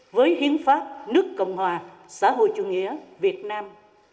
với hiến pháp nước cộng hòa xã hội chủ nghĩa việt nam